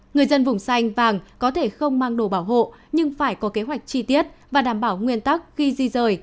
người dân vùng xanh vàng có thể không mang đồ bảo hộ nhưng phải có kế hoạch chi tiết và đảm bảo nguyên tắc khi di rời